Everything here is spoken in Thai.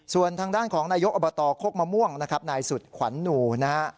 ส่วนทางด้านของนายกอบตโคกมะม่วงนะครับนายสุดขวัญหนูนะฮะ